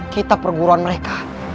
kitab perguruan mereka